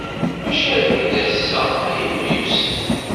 Maci armi d ass-a ay nemyussan.